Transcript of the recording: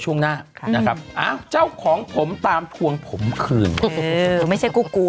ช่วงหน้านะครับอ้าวเจ้าของผมตามทวงผมคืนไม่ใช่กูกลัว